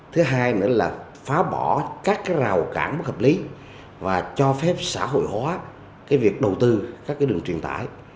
thứ hai nữa là phá bỏ các rào cản bất hợp lý và cho phép xã hội hóa cái việc đầu tư các cái đường truyền tải